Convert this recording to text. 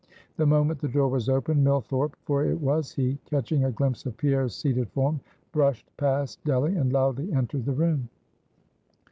The moment the door was opened, Millthorpe for it was he catching a glimpse of Pierre's seated form, brushed past Delly, and loudly entered the room.